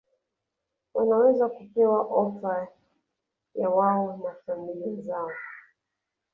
wanaweza kupewa ofa yawao na familia zao